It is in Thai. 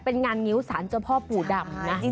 เป็นงานงิ้วสารเจ้าพ่อปู่ดำนะ